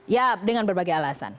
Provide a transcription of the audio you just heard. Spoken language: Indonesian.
ya dengan berbagai alasan